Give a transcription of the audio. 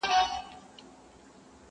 په قسمت کي بری زما وو رسېدلی!!